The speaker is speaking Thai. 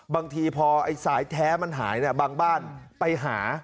บางทีพอไอ้สายแท้มันหายบางบ้านไปหา